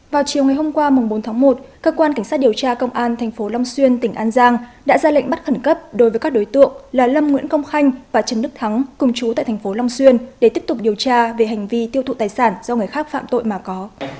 vào chiều ngày hôm qua bốn tháng một cơ quan cảnh sát điều tra công an tp long xuyên tỉnh an giang đã ra lệnh bắt khẩn cấp đối với các đối tượng là lâm nguyễn công khanh và trần đức thắng cùng chú tại thành phố long xuyên để tiếp tục điều tra về hành vi tiêu thụ tài sản do người khác phạm tội mà có